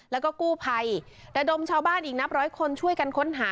แล้วก็กู้ภัยระดมชาวบ้านอีกนับร้อยคนช่วยกันค้นหา